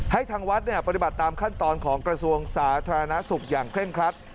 ทางวัดปฏิบัติตามขั้นตอนของกระทรวงสาธารณสุขอย่างเคร่งครัด